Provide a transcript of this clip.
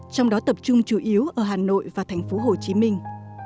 trong đó tập trung chủ yếu ở hà nội và thành phố hồ chí minh